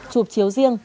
chụp chiếu riêng